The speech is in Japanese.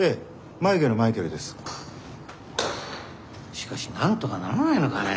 しかしなんとかならないのかね。